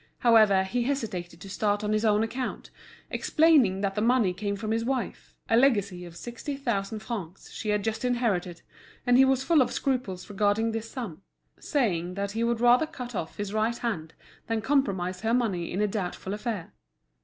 However, he hesitated to start on his own account, explaining that the money came from his wife, a legacy of sixty thousand francs she had just inherited, and he was full of scruples regarding this sum, saying that he would rather cut off his right hand than compromise her money in a doubtful affair.